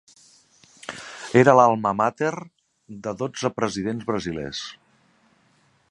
Era l'"alma mater" de dotze presidents brasilers.